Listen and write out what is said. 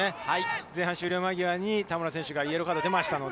前半終了間際に田村選手にイエローカードが出ました。